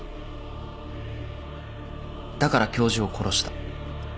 だから教授を殺した。